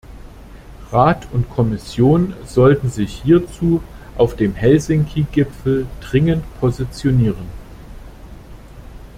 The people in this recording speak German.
Rat und Kommission sollten sich hierzu auf dem Helsinki-Gipfel dringend positionieren.